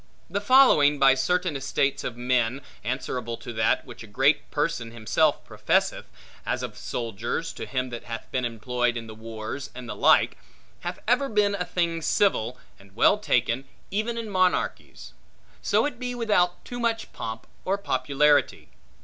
The following by certain estates of men, answerable to that, which a great person himself professeth (as of soldiers, to him that hath been employed in the wars, and the like), hath ever been a thing civil, and well taken, even in monarchies; so it be without too much pomp or popularity.